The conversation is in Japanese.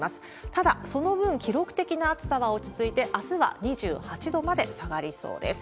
ただ、その分記録的な暑さは落ち着いて、あすは２８度まで下がりそうです。